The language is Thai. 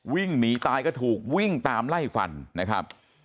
วิ่งหนีตายก็ถูกวิ่งตามไล่ฟันนะครับ